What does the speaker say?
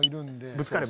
ぶつかる。